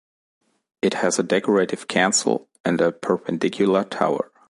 It has a Decorative chancel and Perpendicular tower.